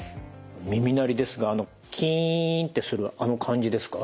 耳鳴りですがキンってするあの感じですか？